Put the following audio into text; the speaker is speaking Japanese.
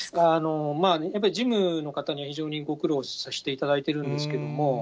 やっぱり事務の方には非常にご苦労していただいてるんですけれども。